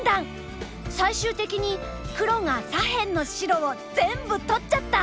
最終的に黒が左辺の白を全部取っちゃった！